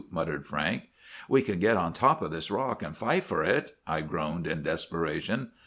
muttered Frank. "'We can get on top of this rock, and fight for it,' I groaned in desperation.